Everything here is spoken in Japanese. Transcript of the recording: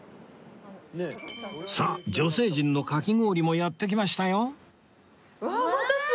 さあ女性陣のかき氷もやって来ましたよ！